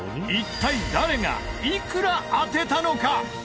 一体誰がいくら当てたのか？